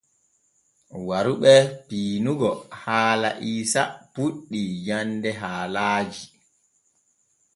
Waru ɓe piinugo haala Iisa puɗɗi jande haalaaji.